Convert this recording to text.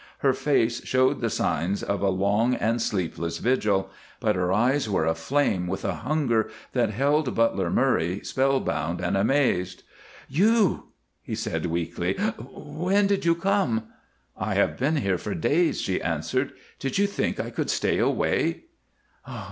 Her face showed the signs of a long and sleepless vigil, but her eyes were aflame with a hunger that held Butler Murray spellbound and amazed. "You!" he said, weakly. "When did you come?" "I have been here for days," she answered. "Did you think I could stay away?"